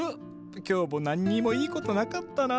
今日も何もいいことなかったな。